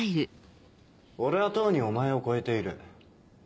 俺はとうにお前を超えている。